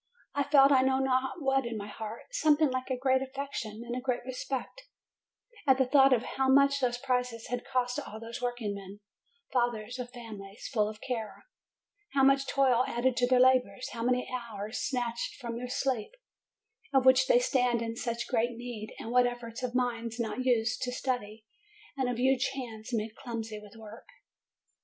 I felt I know not what in my heart, something like a great affection and a great respect, at the thought of how much those prizes had cost all those workingmen, fathers of families, full of care; how much toil added to their labors, how many hours snatched from their sleep, of which they stand in such great need, and what efforts of minds not used to study, and of huge hands made clumsy with work